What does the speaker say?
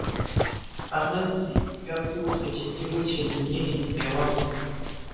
Amazzi gafuuse kizibu kyennyini ewaffe.